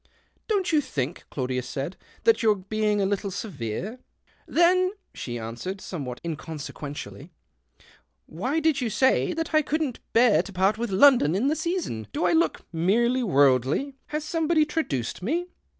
" Don't you think," Claudius said, " that >7ou're being a little severe ?"" Then," she answered, somewhat inconse ^uently, '' why did you say that I couldn't bear to part with London in the season ? Do M 1(52 THE OCTAVE OF CLAUDIUS. I look merely worldly ? Has somebody tra duced me